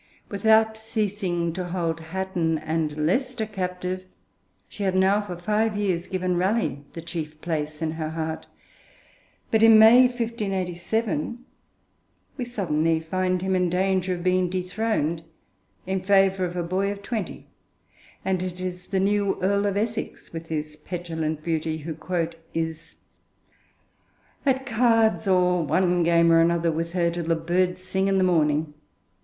Without ceasing to hold Hatton and Leicester captive, she had now for five years given Raleigh the chief place in her heart. But, in May 1587, we suddenly find him in danger of being dethroned in favour of a boy of twenty, and it is the new Earl of Essex, with his petulant beauty, who 'is, at cards, or one game or another, with her, till the birds sing in the morning.'